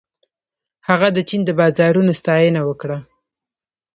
هغه د چین د بازارونو ستاینه وکړه.